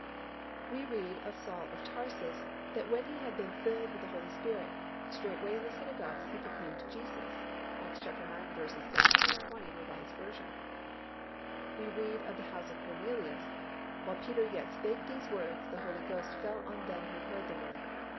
We read of Saul of Tarsus, that when he had been filled with the Holy Spirit, "Straightway in the synagogues he proclaimed Jesus" (Acts ix. 17, 20, R. V.). We read of the household of Cornelius, "While Peter yet spake these words, the Holy Ghost fell on them who heard the Word.